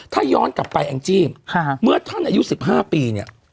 ถ้าย้อนกลับไปแอ้งจีมีท่านอายุ๑๕ปี